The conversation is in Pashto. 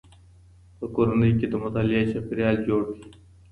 په کورنۍ کي د مطالعې چاپېريال جوړ کړئ.